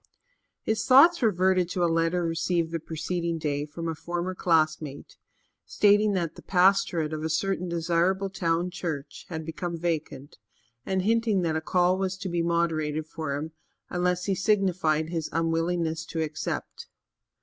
His thoughts reverted to a letter received the preceding day from a former classmate, stating that the pastorate of a certain desirable town church had become vacant and hinting that a call was to be moderated for him unless he signified his unwillingness to accept.